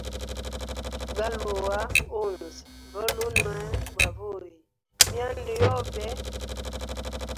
Galua munza lolunwe gwa vuye myanda yobe.